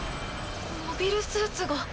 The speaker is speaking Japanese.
モビルスーツが。